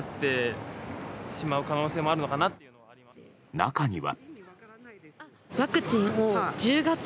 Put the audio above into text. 中には。